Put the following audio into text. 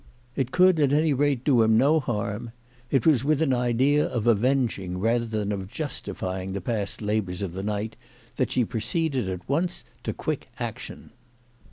It could, at any rate, do him no harm. It was with an idea of avenging rather than of justifying the past labours of the night that she proceeded at once to quick action.